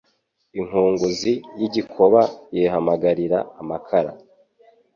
Inkunguzi y’igikoba yihamagarira amakara